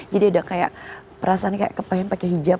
jadi ada kayak perasaan kayak kepahin pakai hijab